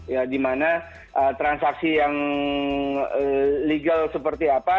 ya dimana transaksi yang legal seperti apa